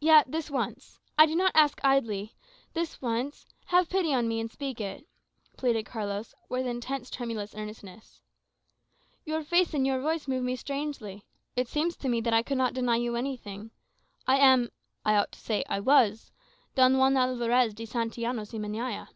"Yet, this once. I do not ask idly this once have pity on me, and speak it," pleaded Carlos, with intense tremulous earnestness. "Your face and your voice move me strangely; it seems to me that I could not deny you anything. I am I ought to say, I was Don Juan Alvarez de Santillanos y Meñaya."